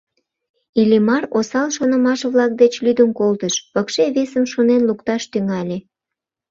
Иллимар осал шонымаш-влак деч лӱдын колтыш, пыкше весым шонен лукташ тӱҥале.